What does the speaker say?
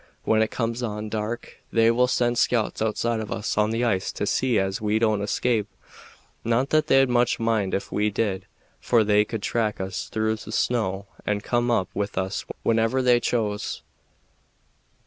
When it comes on dark they'll send scouts outside of us on the ice to see as we don't escape not that they'd much mind ef we did, for they could track us through the snow and come up with us whenever they chose.